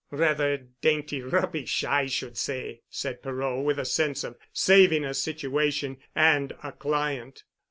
"Rather dainty rubbish, I should say," said Perot, with a sense of saving a situation (and a client).